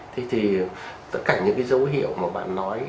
thế thì tất cả những cái dấu hiệu mà bạn nói